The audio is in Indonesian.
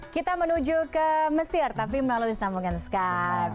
kita menuju ke mesir tapi melalui sambungan skype